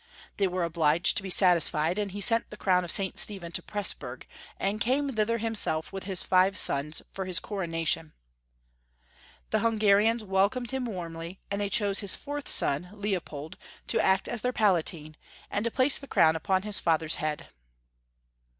They were obliged to be satisfied, and he sent the crown of St. Stephen to Presburg, and came thither himself, with his five sons, for his cor onation. The Hungarians welcomed him warmly, and they chose his fourth son, Leopold, to act as their Palatine, and to place the crown upon his father's head.